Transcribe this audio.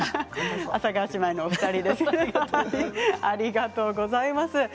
ありがとうございます。